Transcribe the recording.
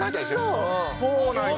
そうなんよ。